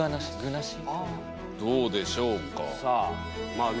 どうでしょうか？